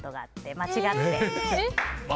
間違って？